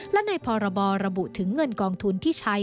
และในพรบระบุถึงเงินกองทุนที่ใช้